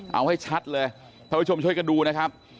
เอาให้ชัดเลยท่านผู้ชมช่วยกันดูนะครับ